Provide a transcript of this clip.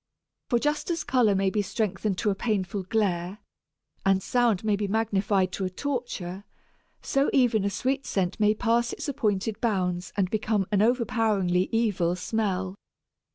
For just as colour may be strengthened to a painful glare, and sound may be magnified to a torture, so even a sweet scent may pass its appointed bounds and become an overpoweringly evil smell.